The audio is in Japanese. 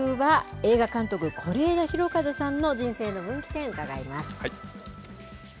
あすの特集は、映画監督、是枝裕和さんの人生の分岐点、伺います。